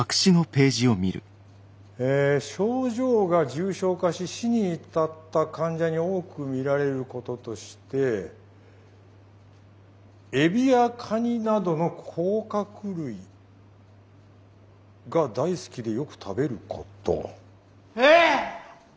え症状が重症化し死に至った患者に多く見られることとしてエビやカニなどの甲殻類が大好きでよく食べること。え！？